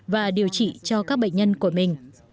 và điều trị cho các bệnh nhân của mình